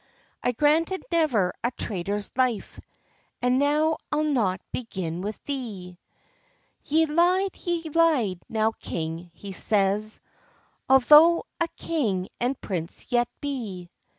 I granted never a traitor's life, And now I'll not begin with thee." "Ye lied, ye lied, now, king," he says, "Altho' a king and prince ye be!